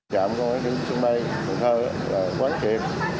trạm công an trên sân bay quán kiệp thư tưởng các bộ quân sĩ an tâm công tác